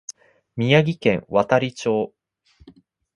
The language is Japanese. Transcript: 宮城県亘理町